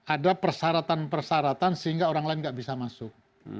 ada persyaratan persyaratan sehingga orang lain tidak bisa masuk